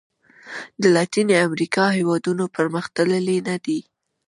د لاتیني امریکا هېوادونو پرمختللي نه دي.